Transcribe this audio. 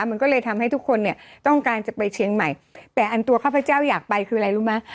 มันก็เลยทำให้ทุกคนเนี่ยต้องการจะไปเชียงใหม่แต่อันตัวข้าพเจ้าอยากไปคืออะไรรู้ไหม